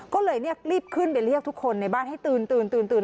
ก็เลยรีบขึ้นไปเรียกทุกคนในบ้านให้ตื่น